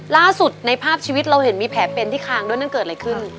ล่าสุดในภาพชีวิตเราเห็นมีแผลเป็นที่คางด้วยนั่นเกิดอะไรขึ้น